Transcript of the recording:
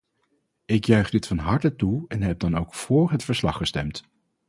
Ik juich dit van harte toe en heb dan ook vóór haar verslag gestemd.